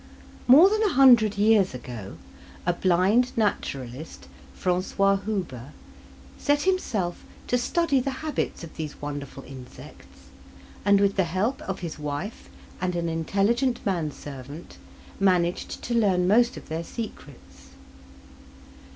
More than a hundred years ago, a blind naturalist, Francois Huber, set himself to study the habits of these wonderful insects and with the help of his wife and an intelligent manservant managed to learn most of their secrets.